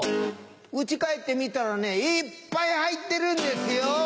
家帰って見たらねいっぱい入ってるんですよ。